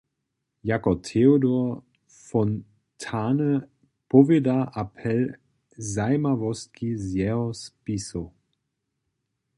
Jako Theodor Fontane powěda Apel zajimawostki z jeho spisow.